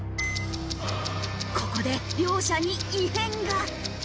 ここで両者に異変が。